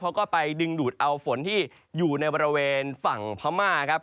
เขาก็ไปดึงดูดเอาฝนที่อยู่ในบริเวณฝั่งพม่าครับ